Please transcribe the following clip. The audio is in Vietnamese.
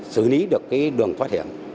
xử lý được cái đường thoát hiểm